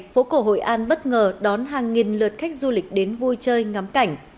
phố cổ hội an bất ngờ đón hàng nghìn lượt khách du lịch đến vui chơi ngắm cảnh